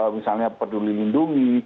misalnya peduli lindungi